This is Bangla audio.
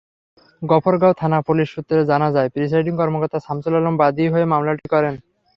গফরগাঁও থানা-পুলিশ সূত্রে জানা যায়, প্রিসাইডিং কর্মকর্তা শামসুল আলম বাদী হয়ে মামলাটি করেন।